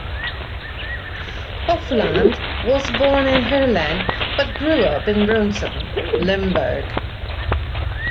Hofland was born in Heerlen, but grew up in Brunssum, Limburg.